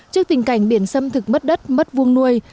trước tình cảnh biển xâm thực mất đất mất vuông nuôi